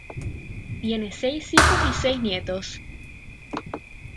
Tiene seis hijos y seis nietos.